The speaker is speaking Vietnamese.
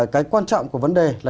cái quan trọng của vấn đề là